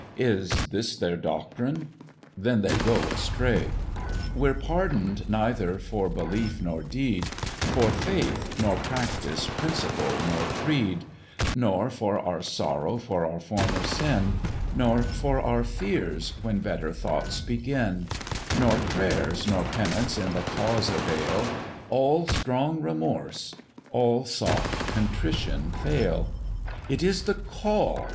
Is this their doctrine? then they go astray; We're pardon'd neither for belief nor deed, For faith nor practice, principle nor creed; Nor for our sorrow for our former sin, Nor for our fears when better thoughts begin; Nor prayers nor penance in the cause avail, All strong remorse, all soft contrition fail: It is the Call!